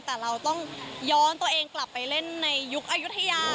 แต่เราต้องย้อนตัวเองกลับไปเล่นในยุคอายุทยา